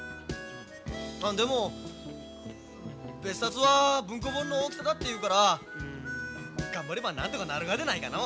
でも別冊は文庫本の大きさだっていうから頑張ればなんとかなるがでないかの。